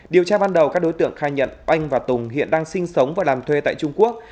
điều tra ban đầu các đối tượng khai nhận oanh và tùng hiện đang sinh sống và làm thuê tại trung quốc